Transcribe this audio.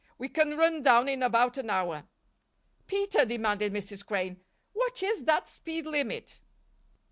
We can run down in about an hour." "Peter," demanded Mrs. Crane, "what is that speed limit?"